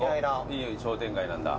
いい商店街なんだ。